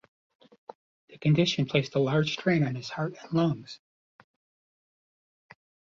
The condition placed a large strain on his heart and lungs.